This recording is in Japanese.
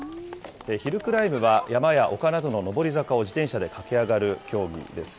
ヒルクライムは山や丘などの上り坂を自転車で駆け上がる競技です。